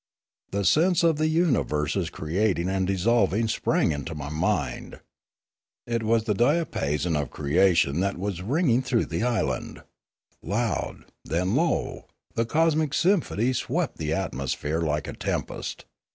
The sense of uni verses creating and dissolving sprang into my mind. It was the diapason of creation that was ringing through the island. Loud, then low, the cosmic symphony swept the amosphere like a tempest.